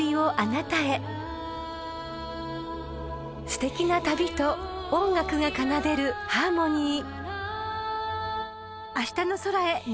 ［すてきな旅と音楽が奏でるハーモニー］